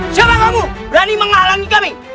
siapa kamu berani menghalangi kami